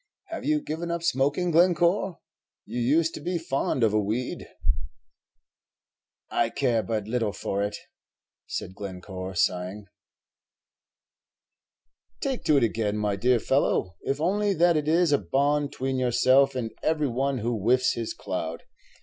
Have you given up smoking, Glencore? you used to be fond of a weed." "I care but little for it," said Glencore, sighing. "Take to it again, my dear fellow, if only that it is a bond 'tween yourself and every one who whiffs his cloud.